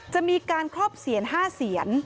จะมีการครอบเสียน๕เสียน